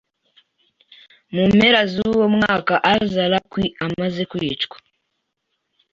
Mu mpera z'uwo mwaka al-Zarqawi amaze kwicwa